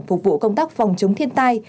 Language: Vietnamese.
phục vụ công tác phòng chống thiên tai